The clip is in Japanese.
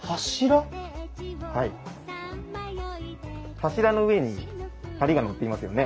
柱の上に梁が載っていますよね？